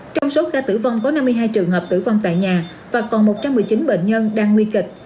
trong số ca tử vong có năm mươi hai trường hợp tử vong tại nhà và còn một trăm một mươi chín bệnh nhân đang nguy kịch